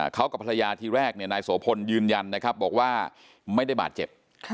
เขากับภรรยาทีแรกนายโสพลยืนยันนะครับบอกว่าไม่ได้บาดเจ็บ